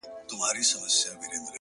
او تاته زما د خپلولو په نيت؛